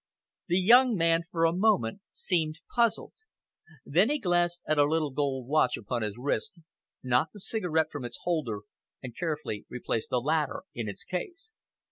The young man for a moment seemed puzzled. Then he glanced at a little gold watch upon his wrist, knocked the cigarette from its holder and carefully replaced the latter in its case.